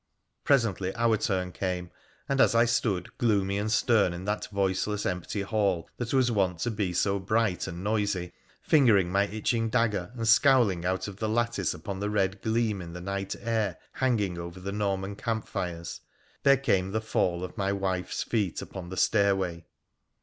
Presently our turn came, and as I stood gloomy and stern in that voiceless, empty hall that was wont to be so bright and noisy, fingering my itching dagger and scowling out of the lattice upon the red gleam in the night air hanging over the Norman camp fires, there came the fall of my wife's feet upon the stairway.